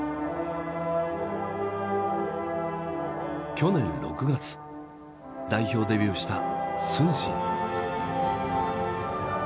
去年６月代表デビューした承信。